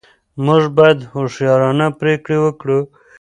موږ باید هوښیارانه پرېکړې وکړو.